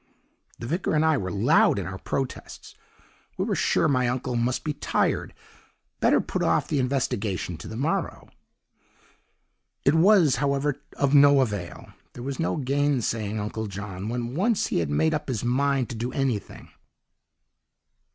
"The vicar and I were loud in our protests 'We were sure my uncle must be tired; better put off the investigation to the morrow.' "It was, however, of no avail; there was no gainsaying Uncle John when once he had made up his mind to do anything.